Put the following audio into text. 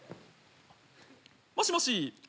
もしもし？